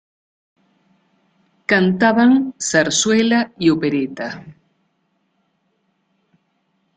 Cantaban zarzuela y opereta.